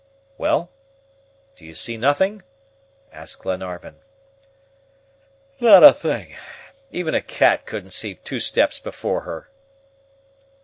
"Well, do you see nothing?" asked Glenarvan. "Not a thing. Even a cat couldn't see two steps before her."